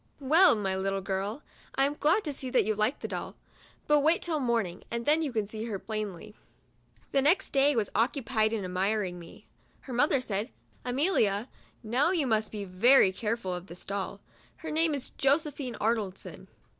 " Well, my little girl, I am glad to see that you like the doll ; but wait till morn ing, and then you can see her plainly." The next day was occupied in admiring me. Her mother said, " Amelia, now you must be very care ful of this doll. Her name is Josephine Arnoldson."